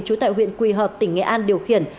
trú tại huyện quỳ hợp tỉnh nghệ an điều khiển